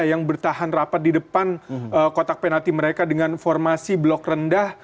yang bertahan rapat di depan kotak penalti mereka dengan formasi blok rendah